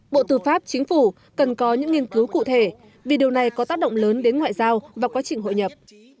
bộ tư pháp chính phủ cần có những nghiên cứu cụ thể vì điều này có tác động lớn đến ngoại giao và quá trình hội nhập